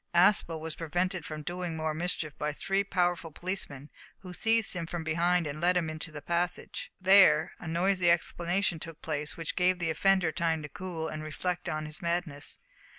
Aspel was prevented from doing more mischief by three powerful policemen, who seized him from behind and led him into the passage. There a noisy explanation took place, which gave the offender time to cool and reflect on his madness.